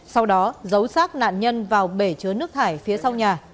sau đó giấu sát nạn nhân vào bể chứa nước thải phía sau nhà